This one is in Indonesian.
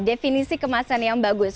definisi kemasan yang bagus